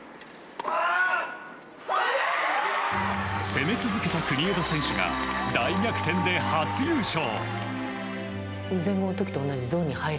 攻め続けた国枝選手が大逆転で初優勝。